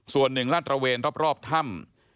ส่วนหนึ่งลาดตระเวนรอบถ้ำ